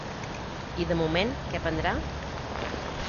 I de moment, què prendrà?